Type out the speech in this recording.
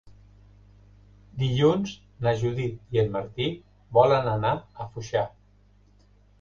Dilluns na Judit i en Martí volen anar a Foixà.